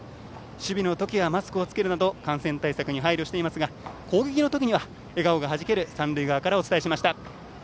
守備のときはマスクをつけるなど感染対策に配慮していますが攻撃の時には笑顔がはじける三塁側からお伝えしました。